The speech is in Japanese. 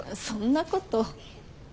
そんなこと。